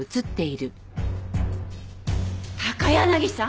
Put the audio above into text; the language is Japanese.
高柳さん！？